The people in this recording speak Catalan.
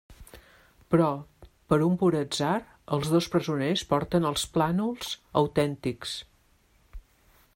Però, per un pur atzar, els dos presoners porten els plànols autèntics.